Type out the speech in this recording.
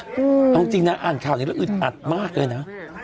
เอาจริงนะอ่านข่าวนี้แล้วอึดอัดมากเลยนะ